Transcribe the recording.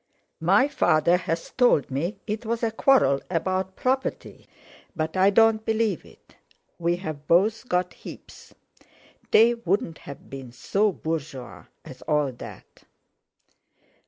My father's told me it was a quarrel about property. But I don't believe it; we've both got heaps. They wouldn't have been so bourgeois as all that."